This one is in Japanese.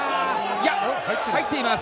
いや、入っています。